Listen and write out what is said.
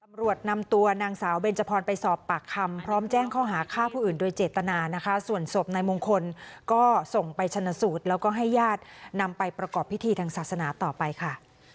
ตำรวจนำตัวนางสาวเบนจพรไปสอบปากคำพร้อมแจ้งข้อหาฆ่าผู้อื่นโดยเจตนานะคะส่วนศพนายมงคลก็ส่งไปชนะสูตรแล้วก็ให้ญาตินำไปประกอบพิธีทางศาสนาต่อไปค่ะ